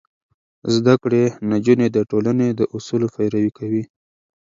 زده کړې نجونې د ټولنې د اصولو پيروي کوي.